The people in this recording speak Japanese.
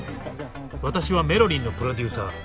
私はメロりんのプロデューサー。